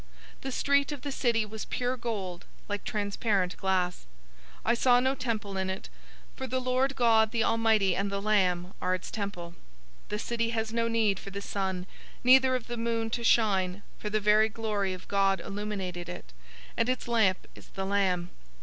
The street of the city was pure gold, like transparent glass. 021:022 I saw no temple in it, for the Lord God, the Almighty, and the Lamb, are its temple. 021:023 The city has no need for the sun, neither of the moon, to shine, for the very glory of God illuminated it, and its lamp is the Lamb.